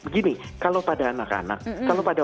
gini kalau pada anak anak kalau pada